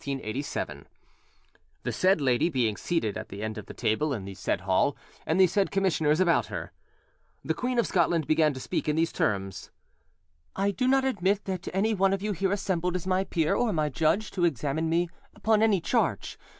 ] The said lady being seated at the end of the table in the said hall, and the said commissioners about her— The Queen of Scotland began to speak in these terms: "I do not admit that any one of you here assembled is my peer or my judge to examine me upon any charge.